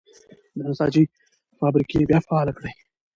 د نساجۍ فابریکې بیا فعالې کړئ.